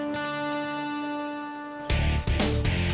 ya mbak mari